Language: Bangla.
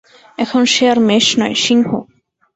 এখন সে আর মেষ নয়, সিংহ।